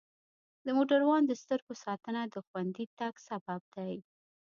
د موټروان د سترګو ساتنه د خوندي تګ سبب دی.